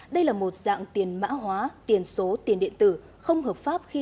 đây là một dạng tiền mã hóa tiền số tiền điện tử không hợp pháp